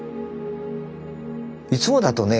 いつもだとね